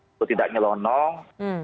untuk tidak nyelonong